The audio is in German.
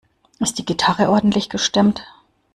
Ist die Gitarre ordentlich gestimmt?